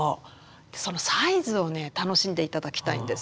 そのサイズをね楽しんで頂きたいんです。